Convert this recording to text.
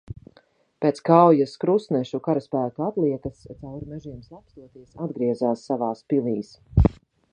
Pēc kaujas krustnešu karaspēka atliekas, cauri mežiem slapstoties, atgriezās savās pilīs.